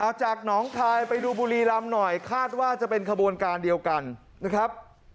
เอาจากหนองคายไปดูบุรีรำหน่อยคาดว่าจะเป็นขบวนการเดียวกันนะครับ